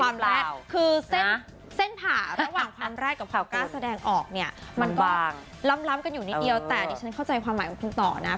คนสั่งหมายคือเส้นผ่าระหว่างความแรดกับใครก็กฎ้าแสดงออกมันก็ล้ำกันอยู่เท่านี้แต่ว่านี้ฉันเข้าใจความหมายของคุณต่อนะ